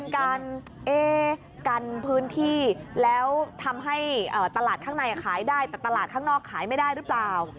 การกันพื้นที่แล้วทำให้ตลาดข้างในขายได้แต่ตลาดข้างนอกขายไม่ได้หรือเปล่า